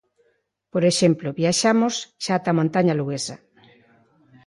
Por exemplo, viaxamos xa ata a montaña luguesa.